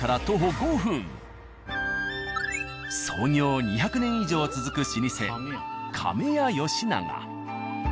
創業２００年以上続く老舗「亀屋良長」。